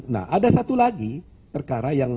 nah ada satu lagi perkara yang